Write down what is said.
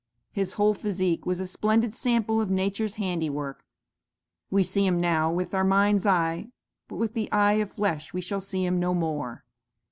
"'His whole physique was a splendid sample of nature's handiwork. We see him now with our mind's eye, but with the eye of flesh we shall see him no more.